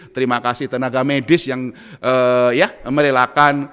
terima kasih tenaga medis yang merelakan